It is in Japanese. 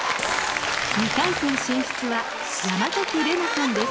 ２回戦進出は山崎怜奈さんです。